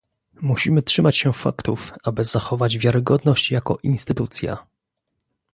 Musimy trzymać się faktów, aby zachować wiarygodność jako instytucja